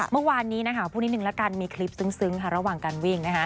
เมื่อวานนี้พูดนิดหนึ่งแล้วกันมีคลิปซึ้งระหว่างการวิ่ง